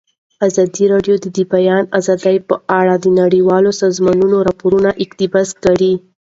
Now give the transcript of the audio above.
ازادي راډیو د د بیان آزادي په اړه د نړیوالو سازمانونو راپورونه اقتباس کړي.